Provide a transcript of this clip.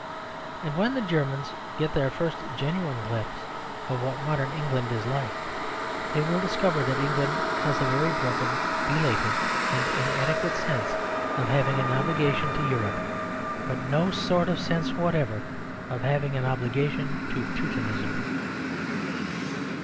And when the Germans get their first genuine glimpse of what modern England is like they will discover that England has a very broken, belated and inadequate sense of having an obligation to Europe, but no sort of sense whatever of having any obligation to Teutonism.